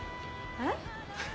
えっ？